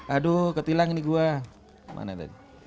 aduh ke tilang ini gua mana tadi